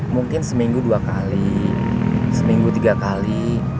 mungkin seminggu dua kali seminggu tiga kali